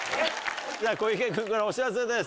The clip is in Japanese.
小池君からお知らせです。